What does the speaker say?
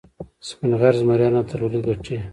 سپین غر زمریان اتلولي ګټي.